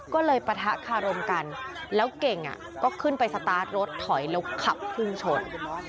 ก็เลยปะทะคารมกันแล้วเก่งก็ขึ้นไปสตาร์ทรถถอยแล้วขับพุ่งชน